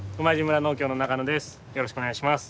よろしくお願いします。